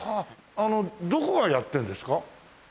あのどこがやってるんですか？